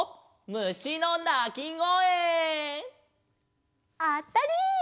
むしのなきごえ！あったり！